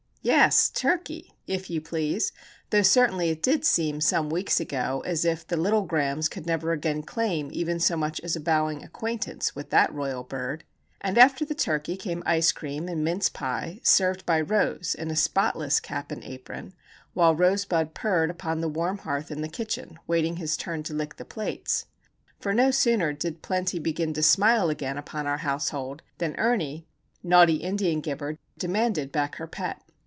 Yes, turkey! if you please; though certainly it did seem some weeks ago as if the little Grahams could never again claim even so much as a bowing acquaintance with that royal bird. And after the turkey came ice cream and mince pie, served by Rose in a spotless cap and apron, while Rosebud purred upon the warm hearth in the kitchen, waiting his turn to lick the plates! For no sooner did plenty begin to smile again upon our household than Ernie (naughty Indian giver!), demanded back her pet.